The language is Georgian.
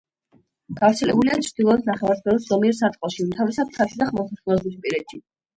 გავრცელებულია ჩრდილოეთ ნახევარსფეროს ზომიერ სარტყელში, უმთავრესად მთაში და ხმელთაშუაზღვისპირეთში.